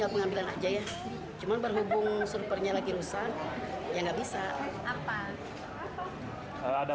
pengambilan kia sudah jadi tinggal pengambilan saja